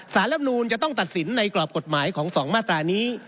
รับนูนจะต้องตัดสินในกรอบกฎหมายของ๒มาตรานี้